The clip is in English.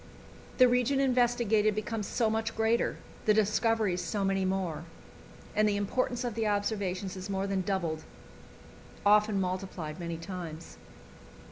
The region investigated becomes so much greater, the discoveries so many more, and the importance of the observations is more than doubled, often multiplied many times.